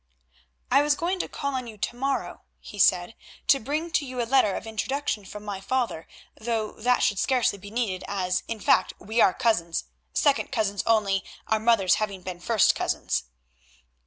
"I was going to call on you to morrow," he said, "to bring to you a letter of introduction from my father, though that should scarcely be needed as, in fact, we are cousins—second cousins only, our mothers having been first cousins."